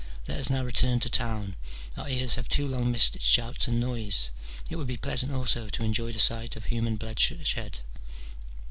Let us now return to town : our ears have too long missed its shouts and noise : it would be pleasant also to enjoy the sight of human bloodshed."